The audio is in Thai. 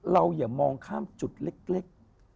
อย่ามองข้ามจุดเล็ก